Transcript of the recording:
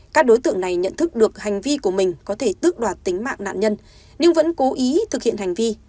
các đối tượng này nhận thức được hành vi của mình có thể tước đoạt tính mạng nạn nhân nhưng vẫn cố ý thực hiện hành vi